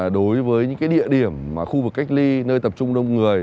đối với những địa điểm khu vực cách ly nơi tập trung đông người